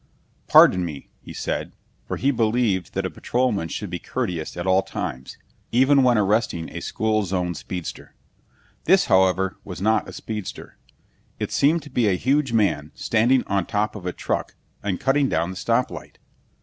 "Pardon me," he said, for he believed that a policeman should be courteous at all times, even when arresting a school zone speedster. This, however, was not a speedster. It seemed to be a huge man standing on top of a truck and cutting down the stop light.